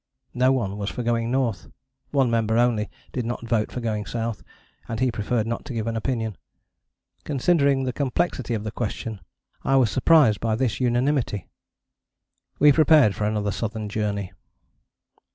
No one was for going north: one member only did not vote for going south, and he preferred not to give an opinion. Considering the complexity of the question, I was surprised by this unanimity. We prepared for another Southern Journey.